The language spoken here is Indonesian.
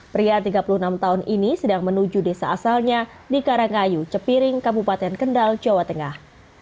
pria tiga puluh enam tahun ini sedang menuju desa asalnya di karangayu cepiring kabupaten kendal jawa tengah